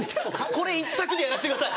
これ一択でやらせてください